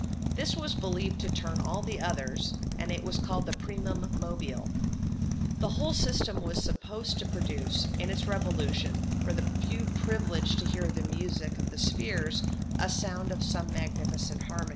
This was believed to turn all the others, and was called the primum mobile. The whole system was supposed to produce, in its revolution, for the few privileged to hear the music of the spheres, a sound as of some magnificent harmony.